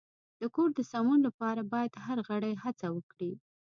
د کور د سمون لپاره باید هر غړی هڅه وکړي.